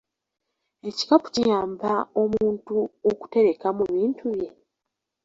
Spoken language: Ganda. Ekikapu kiyamba omuntu okuterekamu bintu bye?